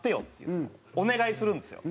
お願いするんですよ。